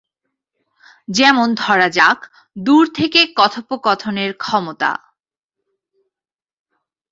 যেমন ধরা যাক, দূর থেকে কথোপকথনের ক্ষমতা।